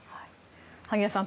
萩谷さん